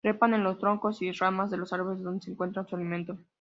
Trepa en los troncos y ramas de los árboles, donde encuentra su alimento.